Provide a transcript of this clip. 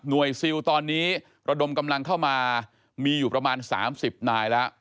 ซิลตอนนี้ระดมกำลังเข้ามามีอยู่ประมาณ๓๐นายแล้ว